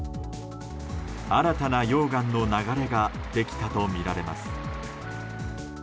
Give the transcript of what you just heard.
新たな溶岩の流れができたとみられます。